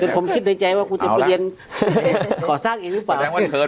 ผมคิดในใจว่าคุณจะไปเรียนก่อสร้างเองหรือเปล่า